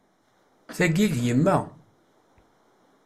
Tagi, d yemma.